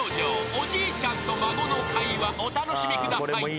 ［おじいちゃんと孫の会話お楽しみください］